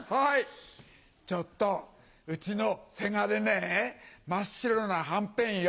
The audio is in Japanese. ちょっとうちのせがれねぇ真っ白なはんぺんよ。